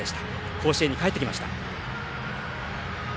甲子園に帰ってきました。